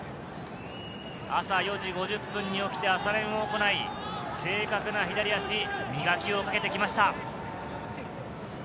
朝４時５０分に起きて朝練を行い、正確な左足、磨きをかけてきました。